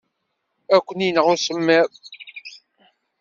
Ad ken-ineɣ usemmiḍ.